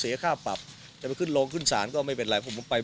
เสียค่าปรับจะไปขึ้นโรงขึ้นศาลก็ไม่เป็นไรเพราะผมไป